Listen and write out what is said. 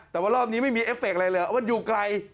แต่ว่ารอบนี้ไม่มีเอฟเฟคอะไรเลยมันอยู่ไกล